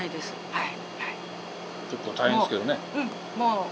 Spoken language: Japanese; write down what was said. はい。